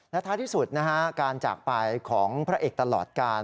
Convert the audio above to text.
และท้ายที่สุดนะฮะการจากไปของพระเอกตลอดการ